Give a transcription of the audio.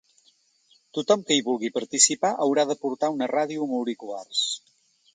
Tothom que hi vulgui participar haurà de portar una ràdio amb auriculars.